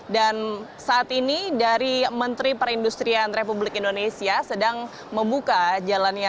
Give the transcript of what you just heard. dan saat ini dari menteri perindustrian republik indonesia sedang membuka jalannya gias